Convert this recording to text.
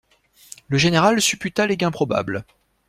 Le général supputa les gains probables.